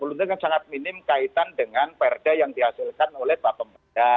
itu kan sangat minim kaitan dengan prd yang dihasilkan oleh pak pemuda